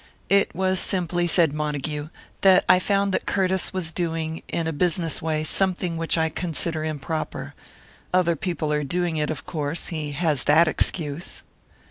"It was simply," said Montague, "that I found that Curtiss was doing, in a business way, something which I considered improper. Other people are doing it, of course he has that excuse."